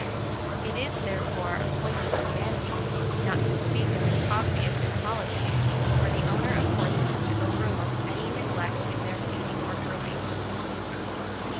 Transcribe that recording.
It is, therefore, a point of humanity, not to speak of its obvious impolicy, for the owner of horses to overlook any neglect in their feeding or grooming.